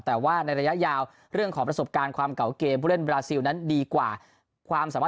แต่ว่าในระยะยาวเรื่องขอมีประสบการณ์ความเก่าเกมพูดเล่นเบราซิลนั้นดีกว่า